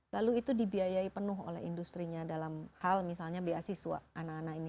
lalu itu dibiayai penuh oleh industri nya dalam hal misalnya beasiswa anak anak ini